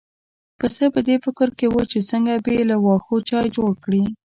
پسه په دې فکر کې و چې څنګه بې له واښو چای جوړ کړي.